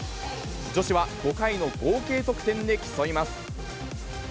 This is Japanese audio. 女子は５回の合計得点で競います。